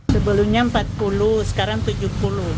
sebelumnya empat puluh sekarang tujuh puluh